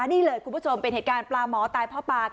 นี่เลยคุณผู้ชมเป็นเหตุการณ์ปลาหมอตายพ่อปาก